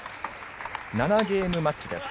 ７ゲームマッチです。